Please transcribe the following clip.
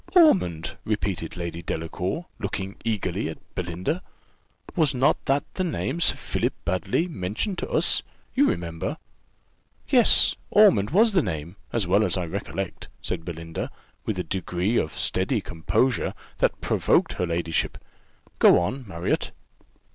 "Ormond!" repeated Lady Delacour, looking eagerly at Belinda: "was not that the name Sir Philip Baddely mentioned to us you remember?" "Yes, Ormond was the name, as well as I recollect," said Belinda, with a degree of steady composure that provoked her ladyship. "Go on, Marriott."